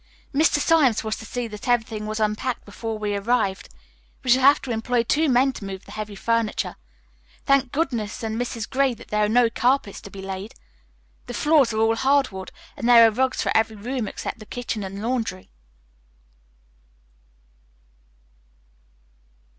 "Mr. Symes was to see that everything was unpacked before we arrived. We shall have to employ two men to move the heavy furniture. Thank goodness and Mrs. Gray, there are no carpets to be laid. The floors are all hard wood and there are rugs for every room except the kitchen and laundry."